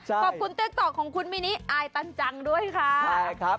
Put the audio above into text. ใช่ขอบคุณเต็กต่อของคุณมินิอายตันจังด้วยค่ะใช่ครับ